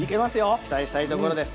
期待したいところです